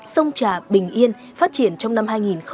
sông trà bình yên phát triển trong năm hai nghìn hai mươi